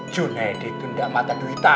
junaid itu gak mata duita